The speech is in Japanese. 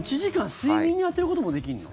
睡眠に充てることもできるの？